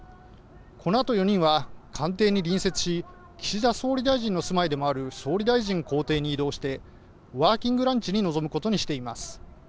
このあと４人は官邸に隣接し岸田総理大臣の住まいでもある総理大臣公邸に移動して、ワーキングランチに臨むことにしています。